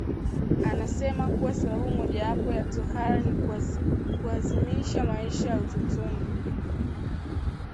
anasema kuwa sababu mojawapo ya tohara ni kuadhimisha maisha ya utotoni